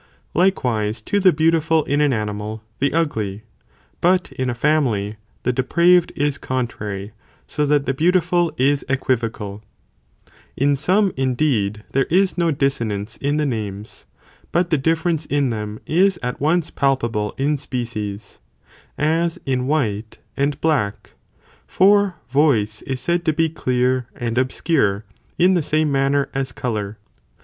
Likewise to the beau tiful in an animal, the ugly, but in a family, the depraved (is contrary), 80 that the heautiful is equivocal. In some, indeed, there is no dissonance in the 3, Cases where names, but the difference in them is at once palpable here is no dis in species, as in white and black, for voice is said specific differ to be clear and obscure* in the same manner as αὶ Τὴ, white colour.